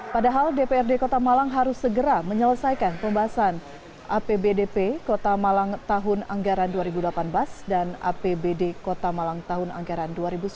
padahal dprd kota malang harus segera menyelesaikan pembahasan apbdp kota malang tahun anggaran dua ribu delapan belas dan apbd kota malang tahun anggaran dua ribu sembilan belas